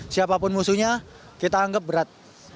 siapapun musuhnya kita anggap berat